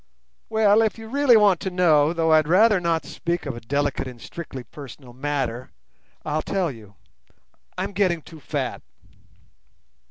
"Well, if you really want to know, though I'd rather not speak of a delicate and strictly personal matter, I'll tell you: I'm getting too fat."